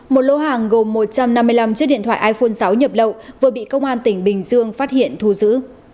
một lô hàng gồm một trăm năm mươi năm chiếc điện thoại iphone sáu nhập lậu vừa bị công an tỉnh bình dương phát hiện thu giữ